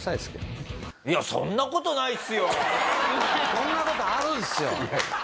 そんな事あるんっすよ。